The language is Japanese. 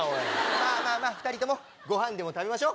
まぁまぁまぁ２人ともごはんでも食べましょ！